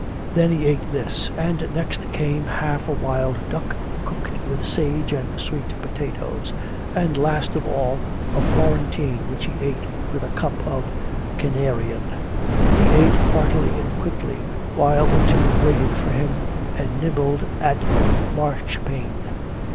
Then he ate this; and next came half a wild duck cooked with sage and sweet potatoes'; and last of all a florentine which he ate with a cup of Canarian. He ate heartily and quickly, while the two waited for him and nibbled at marchpane.